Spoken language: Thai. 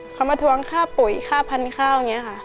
เขามาทวงค่าปุ๋ยค่าพันธุ์ข้าวอย่างนี้ค่ะ